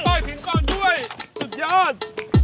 ปล่อยถึงก้อนด้วยสุดยอด